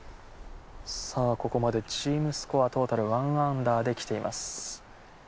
さぁここまでチームスコアトータル１アンダーできています。